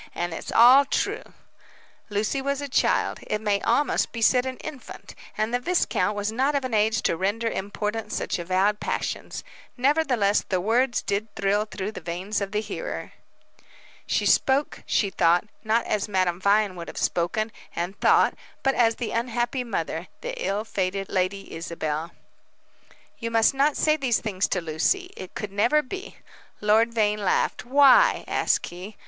"And it's all true." Lucy was a child it may almost be said an infant and the viscount was not of an age to render important such avowed passions. Nevertheless, the words did thrill through the veins of the hearer. She spoke, she thought, not as Madame Vine would have spoken and thought, but as the unhappy mother, the ill fated Lady Isabel. "You must not say these things to Lucy. It could never be." Lord Vane laughed. "Why?" asked he.